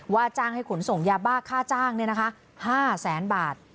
จ้างให้ขนส่งยาบ้าค่าจ้าง๕แสนบาท